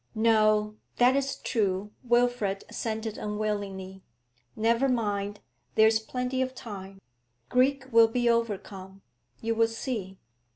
'No, that is true,' Wilfrid assented unwillingly. 'Never mind, there is plenty of time. Greek will be overcome, you will see.